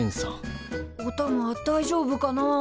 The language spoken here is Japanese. おたまだいじょうぶかなあ。